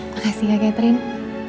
makasih kak katherine